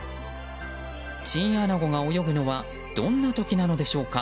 チンアナゴが泳ぐのはどんな時なのでしょうか。